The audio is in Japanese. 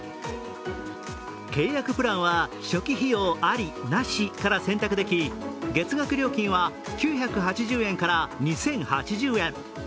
契約プランは、初期費用あり・なしから選択でき、月額料金は９８０円から２０８０円。